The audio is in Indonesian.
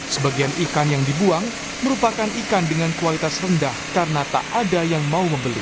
sebagian ikan yang dibuang merupakan ikan dengan kualitas rendah karena tak ada yang mau membeli